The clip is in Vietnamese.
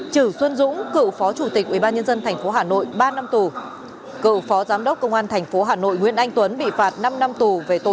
trừ xuân dũng cựu phó chủ tịch ubnd tp hà nội ba năm tù